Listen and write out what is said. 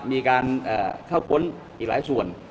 มีการเข้าค้นอีกหลายส่วน